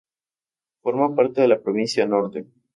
Forma parte de la provincia Norte.